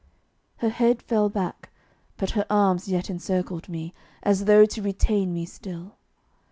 Her head fell back, but her arms yet encircled me, as though to retain me still.